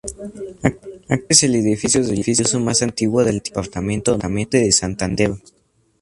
Actualmente es el edificio religioso más antiguo del departamento Norte de Santander.